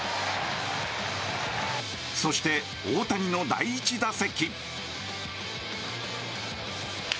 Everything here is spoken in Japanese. そして、大谷の第１打席。